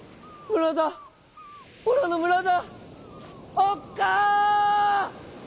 おっかあ！」。